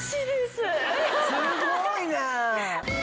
すごいね。